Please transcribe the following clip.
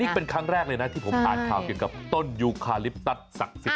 นี่เป็นครั้งแรกเลยนะที่ผมอ่านข่าวเกี่ยวกับต้นยูคาลิปตัสศักดิ์สิทธ